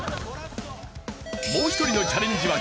もう一人のチャレンジ枠